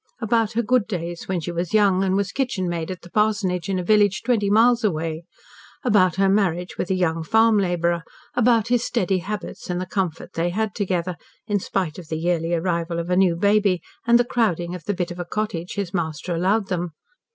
About her good days, when she was young, and was kitchenmaid at the parsonage in a village twenty miles away; about her marriage with a young farm labourer; about his "steady" habits, and the comfort they had together, in spite of the yearly arrival of a new baby, and the crowding of the bit of a cottage his master allowed them.